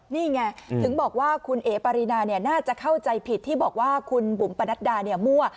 นี่ไงถึงบอกว่าคุณเอ๋ปารีนาน่าจะเข้าใจผิดที่บอกว่าคุณบุ๋มปนัดดามั่ว